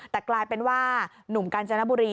แต่กลายเป็นว่าหนุ่มกาญจนบุรี